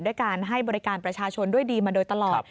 ด้วยการให้บริการประชาชนด้วยดีมาโดยตลอด